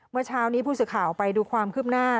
เมื่อเช้านี้ผู้สื่อข่าวไปดูความคืบหน้า